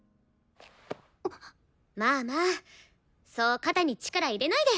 まあまあそう肩に力入れないで！